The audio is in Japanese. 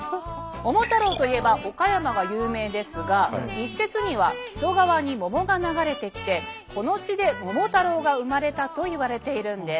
「桃太郎」といえば岡山が有名ですが一説には木曽川に桃が流れてきてこの地で桃太郎が生まれたといわれているんです。